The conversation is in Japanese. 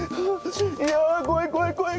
いや怖い怖い怖い。